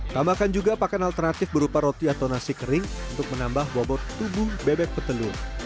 tambahkan juga pakan alternatif berupa roti atau nasi kering untuk menambah bobot tubuh bebek petelur